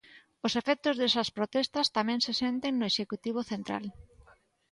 Os efectos desas protestas tamén se senten no executivo central...